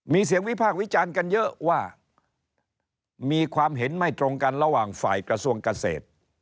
มีเสียงวิพากษ์วิจารณ์กันเยอะว่ามีความเห็นไม่ตรงกันระหว่างฝ่ายกระทรวงเกษตร